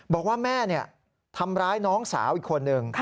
บอกว่าแม่ทำร้ายน้องสาวอีกคนนึง